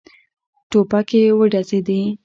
ټوپکې وډزېدې.